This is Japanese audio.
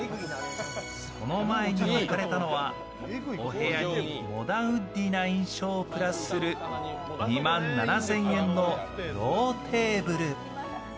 その前に置かれたのは、お部屋にモダンウッディーな印象をプラスする２万７０００円のローテーブル。